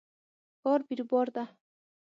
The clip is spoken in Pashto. ښار بیروبار ده